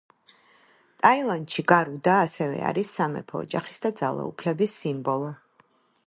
ტაილანდში გარუდა ასევე არის სამეფო ოჯახის და ძალაუფლების სიმბოლო.